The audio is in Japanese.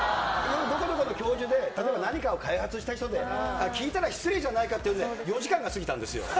どこどこの教授で、例えば何かを開発した人で、聞いたら失礼じゃないかっていうんで、４時間が過ぎたんですよ。